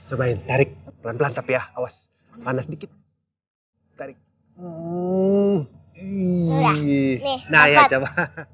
om baik gak apa apa kalau rena mau panggil papa